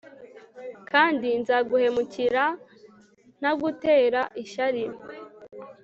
Kandi nzaguhemukira ntagutera ishyari